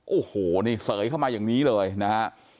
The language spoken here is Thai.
โอ้โหนี่เสยเข้ามาอย่างนี้เลยนะฮะ